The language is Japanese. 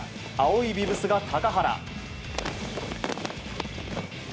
青いビブスが高原。